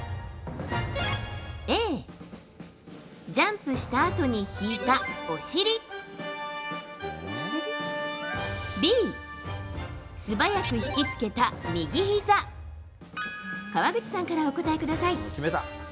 Ａ、ジャンプしたあとに引いたお尻Ｂ、素早く引き付けた右ひざ川口さんからお答えください。